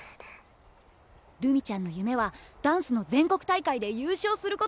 るみちゃんの夢はダンスの全国大会で優勝することだよね？